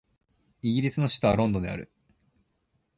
イギリスの首都はロンドンである